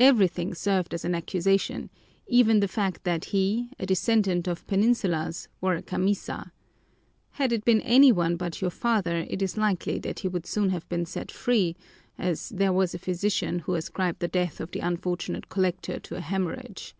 Everything served as an accusation, even the fact that he, a descendant of Peninsulars, wore a camisa. Had it been any one but your father, it is likely that he would soon have been set free, as there was a physician who ascribed the death of the unfortunate collector to a hemorrhage.